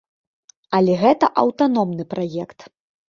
Але гэта аўтаномны праект.